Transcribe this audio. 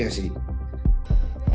atau masyarakat yang berpengalaman